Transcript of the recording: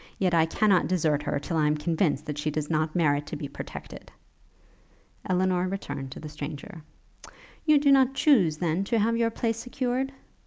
yet I cannot desert her, till I am convinced that she does not merit to be protected.' Elinor returned to the stranger. 'You do not chuse, then, to have your place secured?'